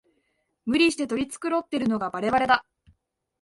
無理して取り繕ってるのがバレバレだ